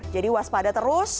jadi waspada terus